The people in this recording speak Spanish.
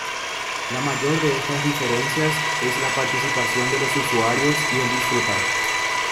La mayor de estas diferencias es la participación de los usuarios y el disfrutar.